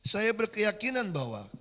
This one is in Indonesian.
saya berkeyakinan bahwa